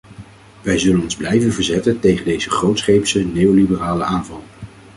Wij zullen ons blijven verzetten tegen deze grootscheepse neoliberale aanval.